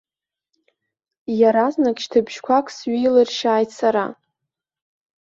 Иаразнак шьҭыбжьқәак сҩеилыршьааит сара.